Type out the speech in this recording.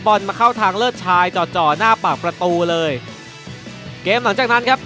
มาเข้าทางเลิศชายจ่อจ่อหน้าปากประตูเลยเกมหลังจากนั้นครับ